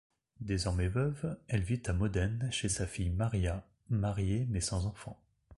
Désormais veuve, elle vit à Modène chez sa fille Maria, mariée mais sans enfant.